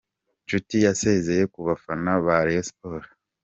Nshuti yasezeye ku bafana ba Rayon Sports.